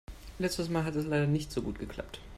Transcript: Letztes Mal hat es ja leider nicht so gut geklappt.